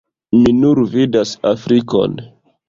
Mi nur vidas Afrikon